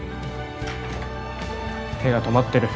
手が止まってる。